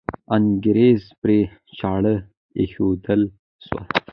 انګریز پرې چاړه کښېښودل سوه.